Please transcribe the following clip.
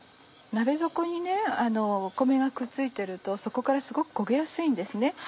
鍋底に米がくっついてるとそこからすごく焦げやすいんですね。